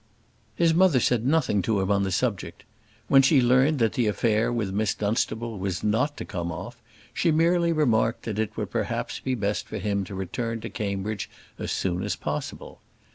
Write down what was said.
His mother said nothing to him on the subject: when she learnt that the affair with Miss Dunstable was not to come off, she merely remarked that it would perhaps be best for him to return to Cambridge as soon as possible.